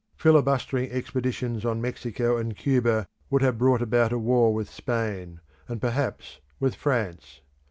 Filibustering expeditions on Mexico and Cuba would have brought about a war with Spain, and perhaps with France.